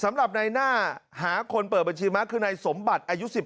สำหรับในหน้าหาคนเปิดบัญชีม้าคือนายสมบัติอายุ๑๙